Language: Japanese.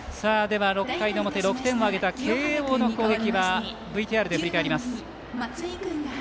６回の表、６点を挙げた慶応の攻撃をＶＴＲで振り返ります。